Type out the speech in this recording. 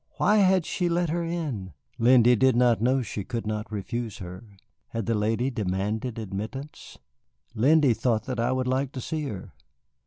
Why had she let her in? Lindy did not know, she could not refuse her. Had the lady demanded admittance? Lindy thought that I would like to see her.